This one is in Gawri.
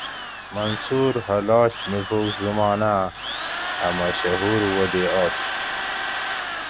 منصور حلاج میڄوک زماناۤں اۤ مشہور ولی آش